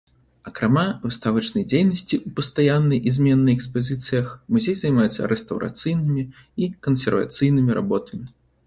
Акрамя выставачнай дзейнасці ў пастаяннай і зменнай экспазіцыях музей займаецца рэстаўрацыйнымі і кансервацыйнымі работамі.